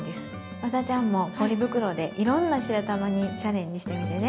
ワダちゃんもポリ袋でいろんな白玉にチャレンジしてみてね。